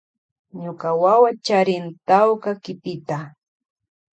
Ñuka wawa charin tawka kipita.